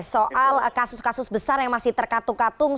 soal kasus kasus besar yang masih terkatung katung